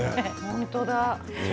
本当だ。